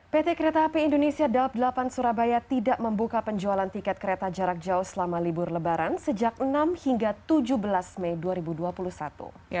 pt kereta api indonesia daob delapan surabaya tidak membuka penjualan tiket kereta jarak jauh selama libur lebaran sejak enam hingga tujuh belas mei dua ribu dua puluh satu